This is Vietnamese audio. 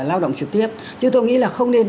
lao động trực tiếp chứ tôi nghĩ là không nên